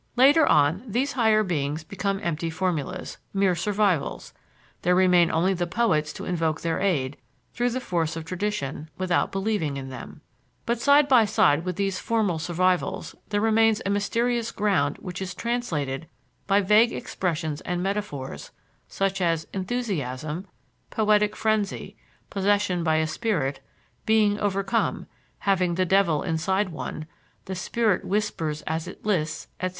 Later on these higher beings become empty formulas, mere survivals; there remain only the poets to invoke their aid, through the force of tradition, without believing in them. But side by side with these formal survivals there remains a mysterious ground which is translated by vague expressions and metaphors, such as "enthusiasm," "poetic frenzy," "possession by a spirit," "being overcome," "having the devil inside one," "the spirit whispers as it lists," etc.